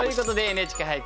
ＮＨＫ俳句